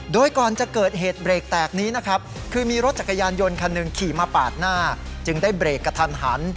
โดยก่อนจะเกิดเหตุเบรกแตกนี้นะครับคือมีรถจักรยานยนต์คันหนึ่งขี่มาปาดหน้าจึงได้เบรกกระทันหัน